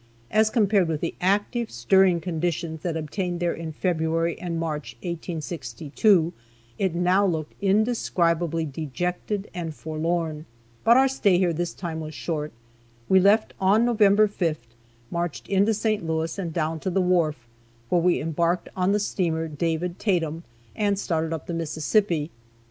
As compared with the active, stirring conditions that obtained there in February and March, 1862, it now looked indescribably dejected and forlorn. But our stay here this time was short. We left on November 5th, marched into St. Louis, and down to the wharf, where we embarked on the steamer "David Tatum," and started up the Mississippi.